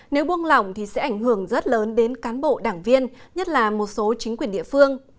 nếu buông lỏng thì sẽ ảnh hưởng rất lớn đến cán bộ đảng viên nhất là một số chính quyền địa phương